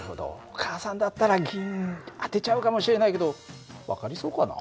お母さんだったら銀当てちゃうかもしれないけど分かりそうかな？